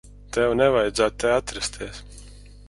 Tev nevajadzētu te atrasties.